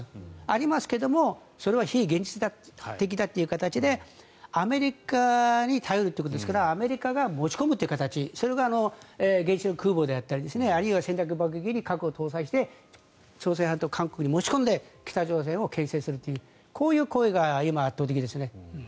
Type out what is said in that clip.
ありますけどもそれは非現実的だという形でアメリカに頼るということですからアメリカが持ち込むという形それが原子力空母だったりあるいは戦略爆撃機に核を搭載して朝鮮半島を韓国に持ち込んで北朝鮮をけん制するというこういう声が今、圧倒的ですね。